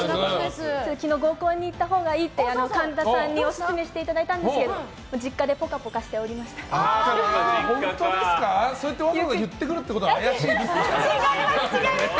昨日合コンに行ったほうがいいって神田さんにオススメしていただいたんですけど本当ですか？